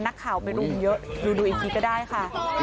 นักข่าวไปรุมเยอะดูอีกทีก็ได้ค่ะ